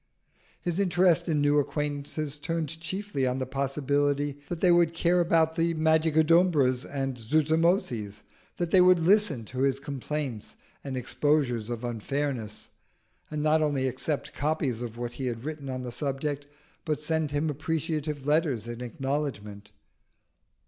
His interest in new acquaintances turned chiefly on the possibility that they would care about the Magicodumbras and Zuzumotzis; that they would listen to his complaints and exposures of unfairness, and not only accept copies of what he had written on the subject, but send him appreciative letters in acknowledgment.